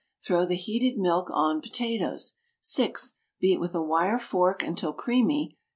Throw the heated milk on potatoes. 6. Beat with a wire fork until creamy.